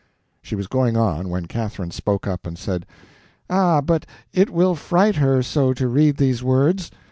She was going on, when Catherine spoke up and said: "Ah, but it will fright her so to read these words.